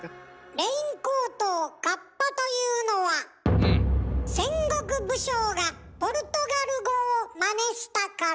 レインコートを「かっぱ」というのは戦国武将がポルトガル語をマネしたから。